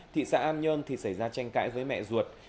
thị xã an nhơn thì xảy ra tranh cãi với mẹ ruột